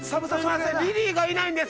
リリーがいないんです。